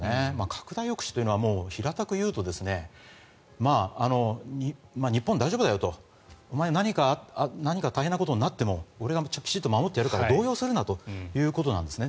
拡大抑止というのは平たく言うと日本、大丈夫だよとお前、何か大変なことになっても俺が守ってやるから動揺するなということなんです。